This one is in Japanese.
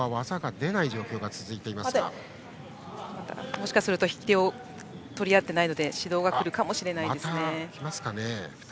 もしかすると引き手を取りあっていないので指導が来るかもしれないです。